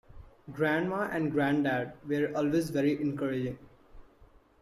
Grandma and grandad were always very encouraging.